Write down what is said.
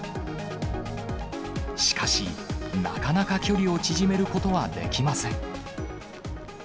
しかし、なかなか距離を縮めることはできません。